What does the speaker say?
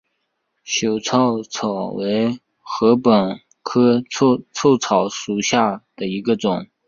糙臭草为禾本科臭草属下的一个种。